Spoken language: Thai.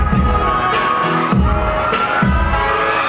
ไม่ต้องถามไม่ต้องถาม